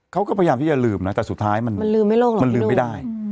เขาก็พยายามที่จะลืมนะแต่สุดท้ายมันลืมมันลืมไม่ได้